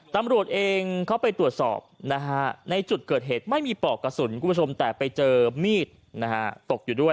ตำรวจเองเขาไปตรวจสอบในจุดเกิดเหตุไม่มีเบาะกระสุนแต่ไปเจอมีดตกอยู่ด้วย